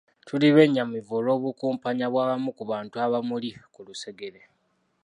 Tuli bennyamivu olw’obukumpanya bw’abamu ku bantu abamuli ku lusegere.